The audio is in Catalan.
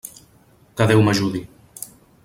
Que Déu m'ajudi!